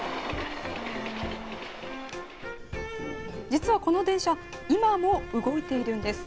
実は、この電車今も動いているんです。